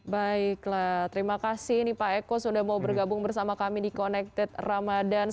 baiklah terima kasih ini pak eko sudah mau bergabung bersama kami di connected ramadhan